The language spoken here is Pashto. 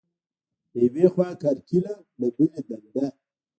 له یوې خوا کرکیله، له بلې دنده.